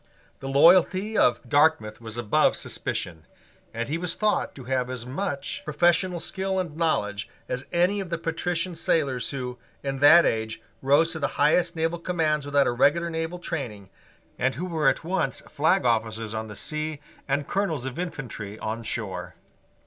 The loyalty of Dartmouth was above suspicion; and he was thought to have as much professional skill and knowledge as any of the patrician sailors who, in that age, rose to the highest naval commands without a regular naval training, and who were at once flag officers on the sea and colonels of infantry on shore.